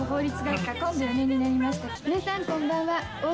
「皆さんこんばんは」